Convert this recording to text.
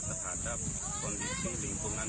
terhadap kondisi lingkungan